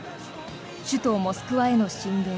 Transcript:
首都モスクワへの進軍。